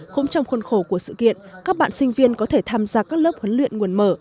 cũng trong khuôn khổ của sự kiện các bạn sinh viên có thể tham gia các lớp huấn luyện nguồn mở